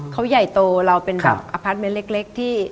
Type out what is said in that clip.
เขาใหญ่โตเราเป็นแบบอพาร์ทเมนต์เล็กที่